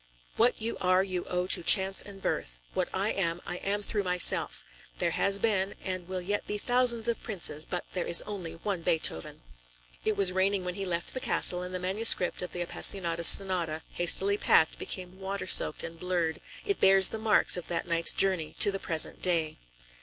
what you are you owe to chance and birth. What I am, I am through myself. There has been, and will yet be thousands of princes, but there is only one Beethoven."[A] [A] Frimmel's Beethoven. It was raining when he left the castle, and the manuscript of the Appassionata Sonata, hastily packed, became water soaked and blurred; it bears the marks of that night's journey to the present day.